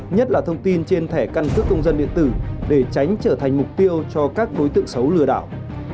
nhất là thông tin trên thẻ căn cước công dân điện tử để tránh trở thành mục tiêu cho các đối tượng xấu lừa đảo